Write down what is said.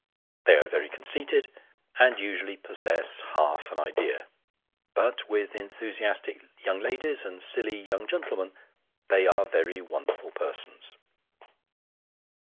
They are very conceited, and usually possess half an idea ; but, with enthusiastic young ladies, and silly young gentlemen, they are very wonderful persons.